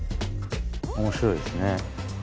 面白いですね。